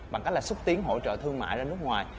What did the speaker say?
bằng cách là xúc tiến hỗ trợ thương mại ra nước ngoài